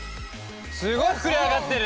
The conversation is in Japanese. すごい膨れ上がってる！